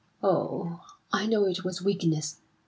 "Oh, I know it was weakness!